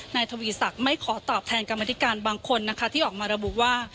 นายทวีศักดิ์ไม่ขอตอบแทนกรรมธิการบางคนนะคะที่ออกมาระบุว่า